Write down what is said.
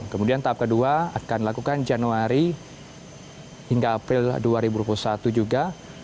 kemudian tahap kedua akan dilakukan januari hingga april dua ribu dua puluh satu juga